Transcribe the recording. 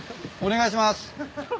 お願いします。